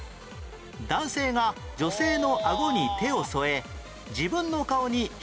男性が女性のあごに手を添え自分の顔に引き寄せる